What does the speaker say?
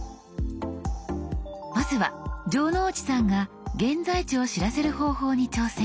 まずは城之内さんが現在地を知らせる方法に挑戦。